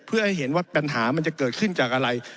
เพื่อให้เห็นว่าปัญหามันจะเกิดขึ้นจากอะไร